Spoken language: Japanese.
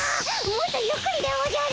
もっとゆっくりでおじゃる！